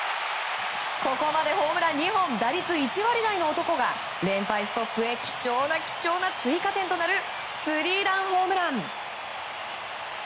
ここまでホームラン２本打率１割台の男が連敗ストップへ貴重な貴重な追加点となるスリーランホームラン。